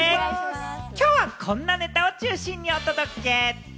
きょうはこんなネタを中心にお届け！